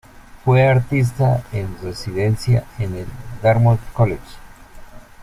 Fue artista en residencia en el Dartmouth College.